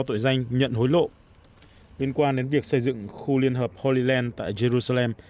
tội danh nhận hối lộ liên quan đến việc xây dựng khu liên hợp holy land tại jerusalem